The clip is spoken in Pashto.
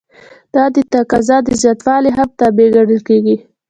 دا د تقاضا د زیاتوالي هم تابع ګڼل کیږي.